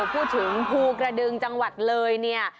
พูดถึงภูกระดึงจังหวัดเลยเนี่ย